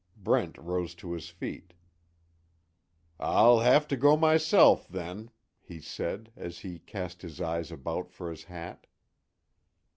Brent rose to his feet: "I'll have to go myself, then," he said, as he cast his eyes about for his hat.